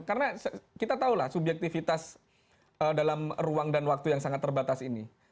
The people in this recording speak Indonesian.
karena kita tahu lah subyektifitas dalam ruang dan waktu yang sangat terbatas ini